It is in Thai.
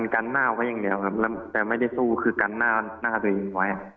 กันหน้าไว้อย่างเดียวครับแล้วแต่ไม่ได้สู้คือกันหน้าตัวเองไว้